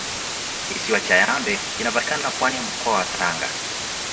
kisiwa cha yambe kinapatikana pwani ya mkoa wa tanga